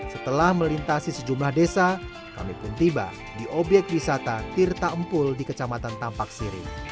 setelah melintasi sejumlah desa kami pun tiba di obyek wisata tirta empul di kecamatan tampak siring